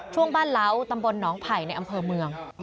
ช่วงบ้านเล้าตำบลหนองไผ่ในอำเภอเมือง